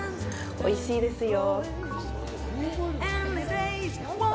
おいしいですよ。